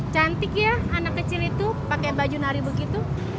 cantik ya anak kecil itu pakai baju nari begitu